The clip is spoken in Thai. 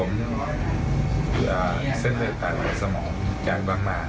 ผมเหลือเส้นเลือดต่างหลายสมองยังบ้างมาแล้วครับ